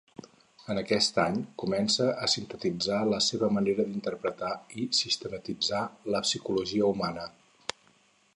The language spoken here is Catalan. En aquest any comença a sintetitzar la seva manera d'interpretar i sistematitzar la psicologia humana.